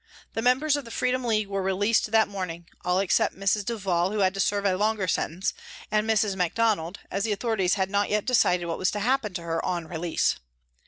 The mem bers of the Freedom League were released that morning, all except Mrs. Duval, who had to serve a longer sentence, and Mrs. Macdonald, as the authorities had not yet decided what was to happen to her on release.